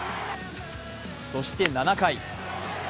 そして７回。